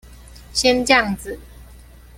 先醬子